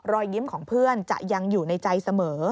รอยยิ้มของเพื่อนจะยังอยู่ในใจเสมอ